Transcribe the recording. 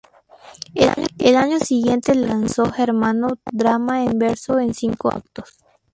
El año siguiente lanzó "Germano", drama en verso en cinco actos.